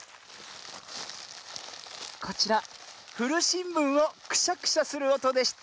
こちらふるしんぶんをクシャクシャするおとでした。